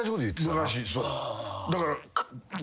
だから。